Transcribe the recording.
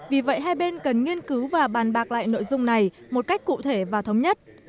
vì vậy hai bên cần nghiên cứu và bàn bạc lại nội dung này một cách cụ thể và thống nhất